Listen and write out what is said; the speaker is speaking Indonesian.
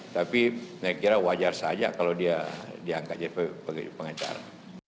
tapi saya kira wajar saja kalau dia diangkat jadi pengacara